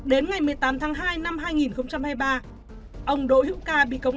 đến ngày một mươi tám tháng hai năm hai nghìn hai mươi ba ông đỗ hữu ca bị công an tỉnh quảng ninh khởi tố